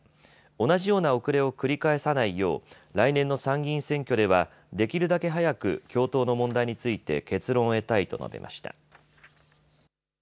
同じような遅れを繰り返さないよう来年の参議院選挙ではできるだけ早く共闘の問題について結論を得たいと述べました。